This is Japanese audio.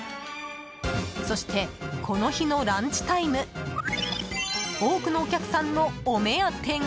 そして、この日のランチタイム多くのお客さんのお目当てが。